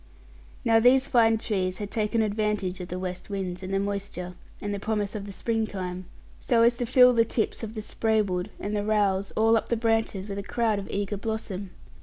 Now these fine trees had taken advantage of the west winds, and the moisture, and the promise of the spring time, so as to fill the tips of the spray wood and the rowels all up the branches with a crowd of eager blossom.